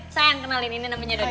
sayang kenalin ini namanya doni